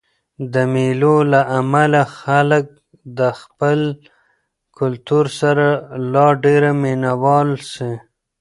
د مېلو له امله خلک د خپل کلتور سره لا ډېر مینه وال سي.